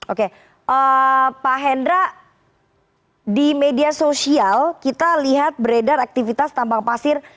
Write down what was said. oke pak hendra di media sosial kita lihat beredar aktivitas tambang pasir